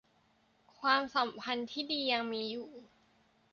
ความสัมพันธ์ที่ดียังมีอยู่